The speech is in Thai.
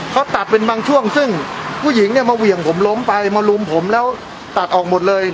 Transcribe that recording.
เขาตัดเป็นบางช่วงซึ่งผู้หญิงเนี่ยมาเหวี่ยงผมล้มไปมาลุมผมแล้วตัดออกหมดเลย